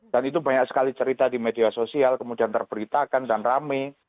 dan itu banyak sekali cerita di media sosial kemudian terberitakan dan rame